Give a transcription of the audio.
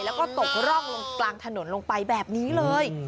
แล้วก็ตกร่องลงกลางถนนลงไปแบบนี้เลย